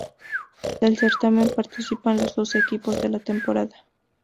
Del certamen participaron los doce equipos de la temporada.